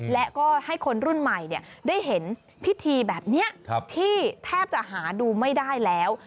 และก็ให้คนรุ่นใหม่ได้เห็นพิธีแบบนี้ที่แทบจะหาดูไม่ได้แล้ว